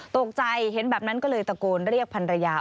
ตกใจเห็นแบบนั้นก็เลยตะโกนเรียกพันรยา